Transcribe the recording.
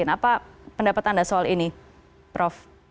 apa pendapat anda soal ini prof